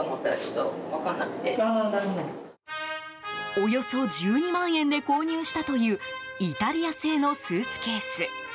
およそ１２万円で購入したというイタリア製のスーツケース。